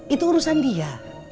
itu urusan dia